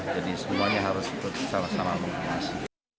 jadi semuanya harus bersama sama mengawasi